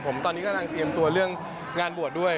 ผมตอนนี้กำลังเตรียมตัวเรื่องงานบวชด้วย